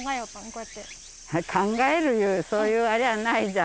こうやって考えるいうそういうあれはないじゃん